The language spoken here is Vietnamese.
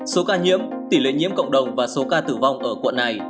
số ca nhiễm tỷ lệ nhiễm cộng đồng và số ca tử vong ở quận này